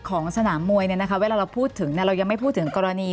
ของสนามมวยเวลาเราพูดถึงเรายังไม่พูดถึงกรณี